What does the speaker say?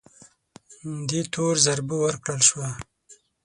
دې تور ضربه ورکړل شوه